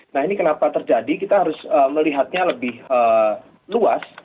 nah ini kenapa terjadi kita harus melihatnya lebih luas